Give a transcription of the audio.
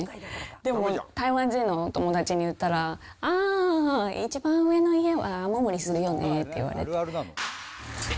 でも台湾人のお友達に言ったら、あー、一番上の家は雨漏りするよねって言われて。